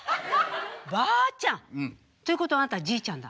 ばあちゃん！？ということはあんたじいちゃんだ。